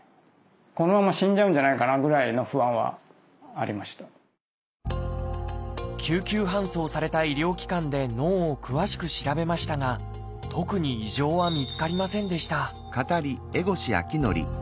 このまま救急搬送された医療機関で脳を詳しく調べましたが特に異常は見つかりませんでした